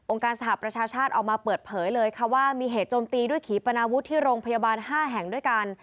การสหประชาชาติออกมาเปิดเผยเลยค่ะว่ามีเหตุโจมตีด้วยขีปนาวุฒิที่โรงพยาบาล๕แห่งด้วยกัน